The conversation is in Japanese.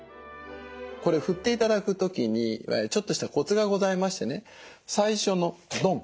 これ振って頂く時にちょっとしたコツがございましてね最初のドン！